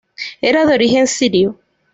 Era de origen sirio.